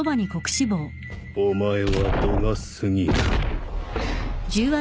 お前は度が過ぎる。